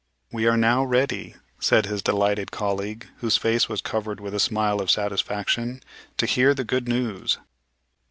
"We are now ready," said his delighted colleague, whose face was covered with a smile of satisfaction, "to hear the good news."